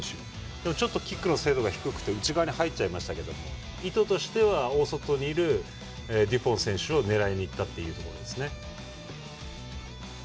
でもキックの精度が低くて内側に入っちゃいましたけど意図としては大外にいるデュポン選手を狙いにいったところですね。